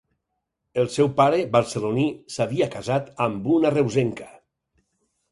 El seu pare, barceloní, s'havia casat amb una reusenca.